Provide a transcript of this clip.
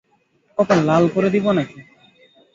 কপাল লাল করে দিবা নাকি?